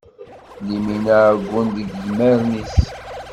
Limin uɛeggun deg idmaren is.